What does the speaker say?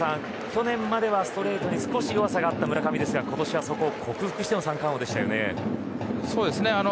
去年まではストレートに少し弱さがあった村上ですが今年はそこを克服しての三冠王でしたよね。